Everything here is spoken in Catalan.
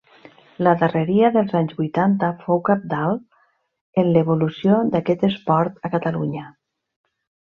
La darreria dels anys vuitanta fou cabdal en l'evolució d'aquest esport a Catalunya.